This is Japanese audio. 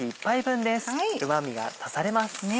うま味が足されます。